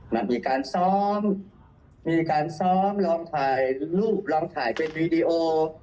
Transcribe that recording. มีการซ้อมลองถ่ายรูปลองถ่ายเป็นวีดีโอ